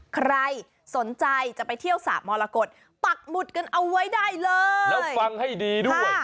ใครสนใจจะไปเที่ยวสระมรกฏปักหมุดกันเอาไว้ได้เลยแล้วฟังให้ดีด้วย